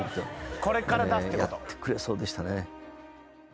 やってくれそうでしたね。